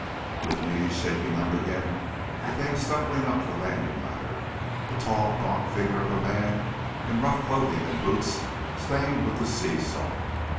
With knees shaking under him, he came stumbling up the landing ladder, a tall, gaunt figure of a man in rough clothing and boots stained with the sea salt.